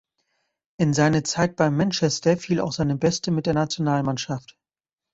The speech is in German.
In seine Zeit bei Manchester fiel auch seine beste mit der Nationalmannschaft.